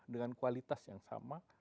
dengan kualitas yang sama